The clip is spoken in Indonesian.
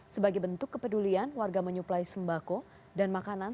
sebagai bentuk kepedulian warga menyuplai sembako dan makanan